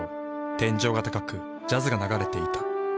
天井が高くジャズが流れていた。